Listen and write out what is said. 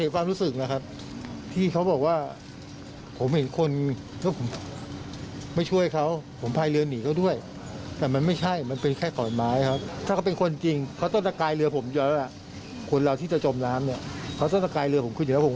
พี่มาสงสัยผมพี่สงสัยคนในเรือที่สิบส่วน